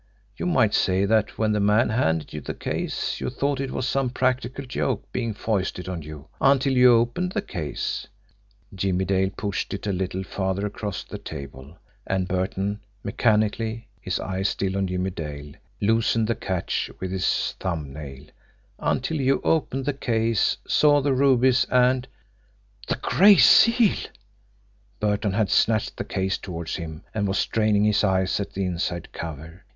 You might say that when the man handed you the case you thought it was some practical joke being foisted on you, until you opened the case" Jimmie Dale pushed it a little farther across the table, and Burton, mechanically, his eyes still on Jimme Dale, loosened the catch with his thumb nail "until you opened the case, saw the rubies, and " "The Gray Seal!" Burton had snatched the case toward him, and was straining his eyes at the inside cover.